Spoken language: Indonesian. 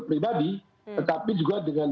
pribadi tetapi juga dengan